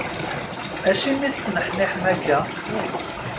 Acimi i tesneḥniḥem akka?